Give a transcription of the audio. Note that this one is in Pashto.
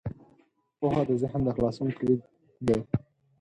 پوهه د ذهن د خلاصون کلید دی.